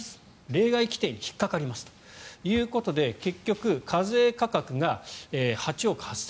例外規定に引っかかりますということで結局課税価格が８億８０００万円。